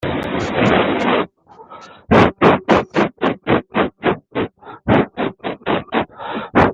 La grotte est connue depuis longtemps.